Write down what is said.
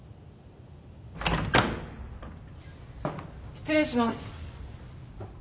失礼します。